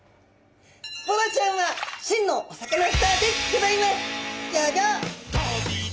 ボラちゃんは真のおサカナスターでギョざいます！